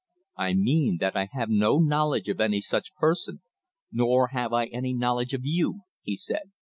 "I mean that I have no knowledge of any such person; nor have I any knowledge of you," he said.